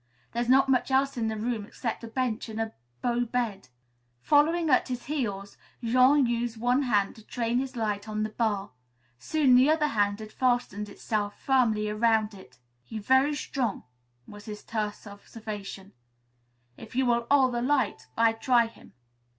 "There's not much else in the room, except a bench and a bough bed." Following at his heels, Jean used one hand to train his light on the bar. Soon the other hand had fastened itself firmly around it. "He very strong," was his terse observation. "If you will 'old the light, I try him."